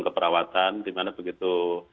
keperawatan dimana begitu